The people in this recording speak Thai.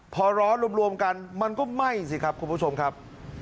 พอร้อนรวมกันมันก็ไหม้สิครับคุณผู้ชมครับ